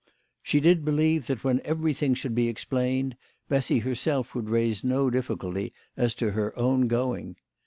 She did believe that when everything should be explained Bessy herself would raise no difficulty as to her own going.